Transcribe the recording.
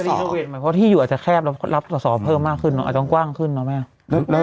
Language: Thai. เพราะที่อยู่อาจจะแคบแล้วก็รับสอสอเพิ่มมากขึ้นอาจจะกว้างขึ้นเนอะแม่